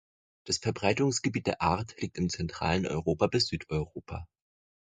Das Verbreitungsgebiet der Art liegt im zentralen Europa bis Südeuropa.